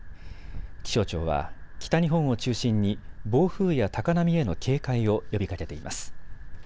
気象庁は北日本を中心に暴風や高波への警戒を呼びかけています。